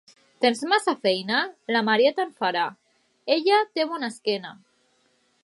Tens massa feina?: la Maria te'n farà, ella té bona esquena.